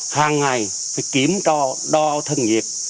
hàng ngày phải kiếm đo thân nghiệp